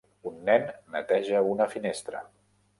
Un nen neteja una finestra.